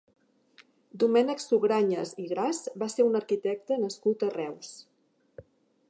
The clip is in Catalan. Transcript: Domènec Sugrañes i Gras va ser un arquitecte nascut a Reus.